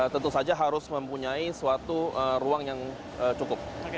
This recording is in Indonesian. tentu saja harus mempunyai suatu ruang yang cukup